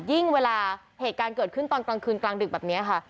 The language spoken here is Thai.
เวลาเหตุการณ์เกิดขึ้นตอนกลางคืนกลางดึกแบบนี้ค่ะ